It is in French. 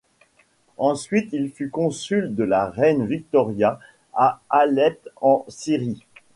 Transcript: Ensuite il fut consul de la reine Victoria à Alep en Syrie.